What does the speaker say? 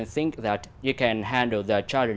nhưng trong tất cả